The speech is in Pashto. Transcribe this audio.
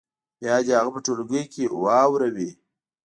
بیا دې هغه په ټولګي کې واوروي.